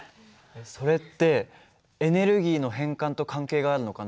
それってエネルギーの変換と関係があるのかな？